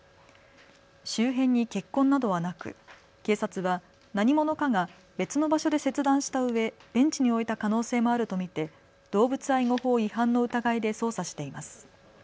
周辺に血痕などはなく警察は何者かが別の場所で切断したうえベンチに置いた可能性もあると見て動物愛護法違反の疑いで捜査しています。